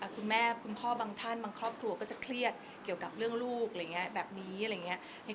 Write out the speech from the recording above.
คุณแม่คุณพ่อบางท่านบางครอบครัวก็จะเครียดเกี่ยวกับเรื่องลูกหรืออย่างเงี้ยแบบนี้หรืออย่างเงี้ย